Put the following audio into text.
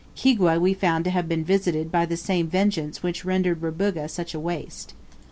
Kigwa we found to have been visited by the same vengeance which rendered Rubuga such a waste.